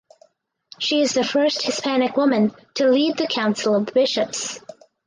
She is the first Hispanic woman to lead the Council of Bishops.